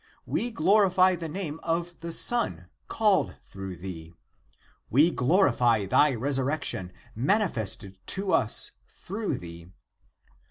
We glorify the name of the Son called through thee. We glorify thy resurrection manifested to us through thee.